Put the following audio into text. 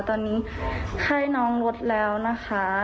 ตอนนี้ไข้น้องลดแล้วนะคะ